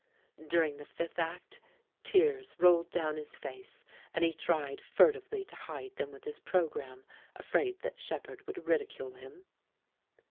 During the fifth act, tears rolled down his face, and he tried fur tively to hide them with his programme, afraiH that Shepherd would ridicule him.